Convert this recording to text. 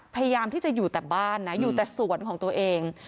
พยายามที่จะอยู่แต่บ้านนะอยู่แต่สวนของตัวเอง